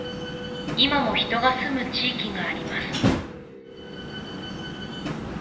今も人が住む地域があります